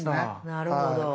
なるほど。